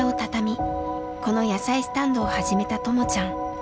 この野菜スタンドを始めたともちゃん。